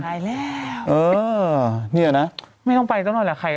อ๋อหายแล้วเนี่ยนะไม่ต้องไปตั้งหน่อยแหละ